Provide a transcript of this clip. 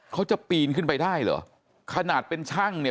เขาจะปีนขึ้นไปได้เหรอขนาดเป็นช่างเนี่ย